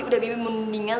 udah b b mendingan